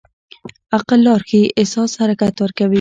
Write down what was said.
عقل لار ښيي، احساس حرکت ورکوي.